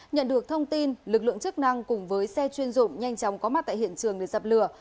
nhận được thông tin lực lượng chức năng cùng với xe chuyên dụng nhanh chóng có mặt tại hiện trường để dập lửa